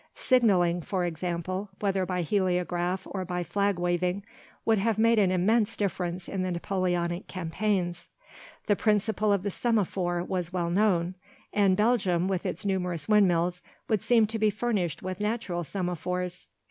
Signalling, for example, whether by heliograph or by flag waving, would have made an immense difference in the Napoleonic campaigns. The principle of the semaphore was well known, and Belgium, with its numerous windmills, would seem to be furnished with natural semaphores.